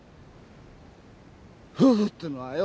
夫婦ってのはよ